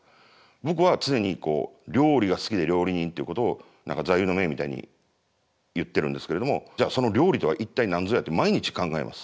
僕は常に料理が好きで料理人っていうことを何か座右の銘みたいに言ってるんですけれどもじゃあその料理とは一体何ぞやって毎日考えます。